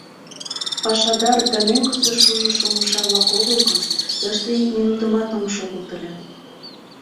Пашадар да мӧҥгысӧ шужышо умша-влак огыл гын, тыште ик минутымат ом шогылт ыле.